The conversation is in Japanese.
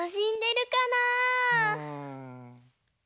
うん。